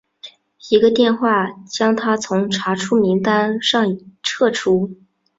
一个电话将他从查处名单上撤除。